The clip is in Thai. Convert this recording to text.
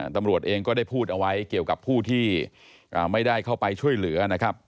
ตำรวจเองก็ได้พูดเอาไว้เกี่ยวกับผู้ที่ไม่ได้เข้าไปช่วยเหลือนะครับ